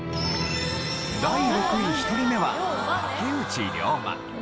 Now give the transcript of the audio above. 第６位１人目は竹内涼真。